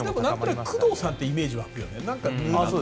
でも、何となく工藤さんってイメージ湧くよね。